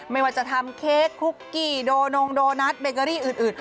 ไม่ว่าจะทำเค้กคุกกี้โดนงโดนัทเบเกอรี่อื่น